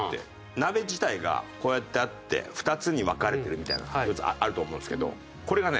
鍋自体がこうやってあって２つに分かれてるみたいなやつあると思うんですけどこれがね